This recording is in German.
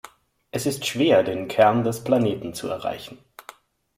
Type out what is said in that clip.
Es ist schwer, den Kern des Planeten zu erreichen.